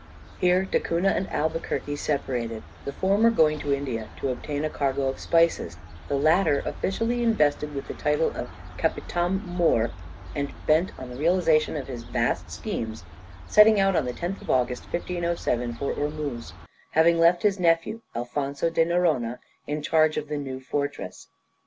Here Da Cunha and Albuquerque separated, the former going to India to obtain a cargo of spices, the latter officially invested with the title of Capitam mõr, and bent on the realization of his vast schemes, setting out on the 10th of August, 1507, for Ormuz, having left his nephew Alfonzo da Noronha in charge of the new fortress.